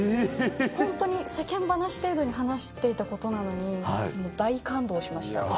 本当に、世間話程度に話していたことなのに、大感動しました。